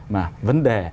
mà vấn đề